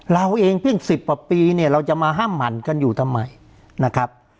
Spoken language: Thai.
เราเองเพิ่ง๑๐กว่าปีเนี่ยเราจะมาห้ามหมั่นกันอยู่ทำไมนะครับ